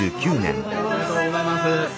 おめでとうございます。